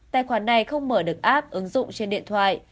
tài khoản này không mở được app ứng dụng trên điện thoại